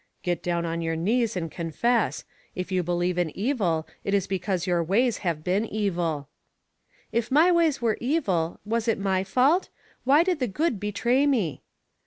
"Get down on your knees and confess; if you believe in evil it is because your ways have been evil." "If my ways were evil, was it my fault? Why did the good betray me?"